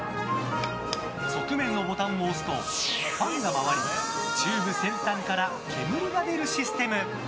側面のボタンを押すとファンが回りチューブ先端から煙が出るシステム。